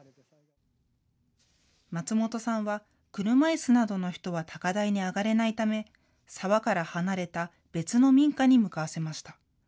松本さんは車いすなどの人は高台に上がれないため沢から離れた別の民家に向かわせました。